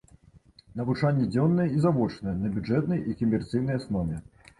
Навучанне дзённае і завочнае, на бюджэтнай і камерцыйнай аснове.